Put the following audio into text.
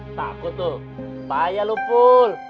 takut tuh bahaya lu pul